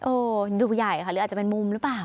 ดูใหญ่ค่ะหรืออาจจะเป็นมุมหรือเปล่า